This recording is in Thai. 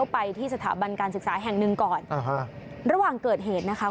ไปที่สถาบันการศึกษาแห่งหนึ่งก่อนอ่าฮะระหว่างเกิดเหตุนะคะ